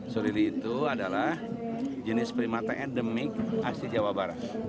surili itu adalah jenis primata endemik asli jawa barat